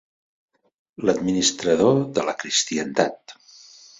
L'Administrador de la Cristiandat.